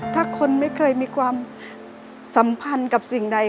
ถ้าคนไม่เคยมีความสัมพันธ์กับสิ่งใด